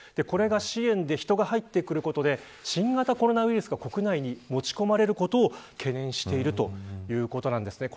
これが支援で人が入ってくることで新型コロナウイルスが国内に持ち込まれることを懸念しているということなんです。